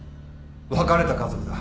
別れた家族だ。